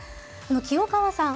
清川さん